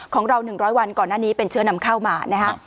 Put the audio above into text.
ของเรา๑๐๐วันก่อนหน้านี้เป็นเชื้อนำเข้ามานะฮะ